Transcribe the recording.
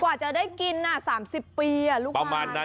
กว่าจะได้กินน่ะสามสิบปีลูกฆ่าน่ะ